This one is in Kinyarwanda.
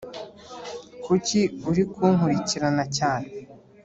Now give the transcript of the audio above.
kuki uri kunkurikirana cyane